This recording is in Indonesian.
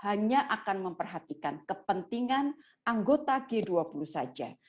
hanya akan memperhatikan kepentingan anggota g dua puluh saja